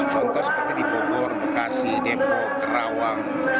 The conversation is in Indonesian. contoh seperti di bogor bekasi depok kerawang